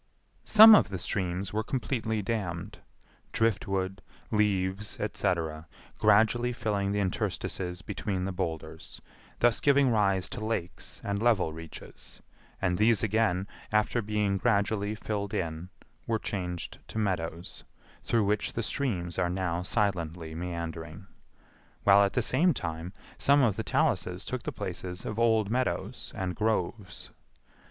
Some of the streams were completely dammed; driftwood, leaves, etc., gradually filling the interstices between the boulders, thus giving rise to lakes and level reaches; and these again, after being gradually filled in, were changed to meadows, through which the streams are now silently meandering; while at the same time some of the taluses took the places of old meadows and groves.